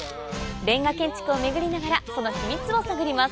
レンガ建築を巡りながらその秘密を探ります。